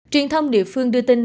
truyền thông địa phương đưa tin